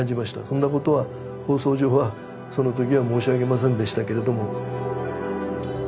そんなことは放送上はそのときは申し上げませんでしたけれども。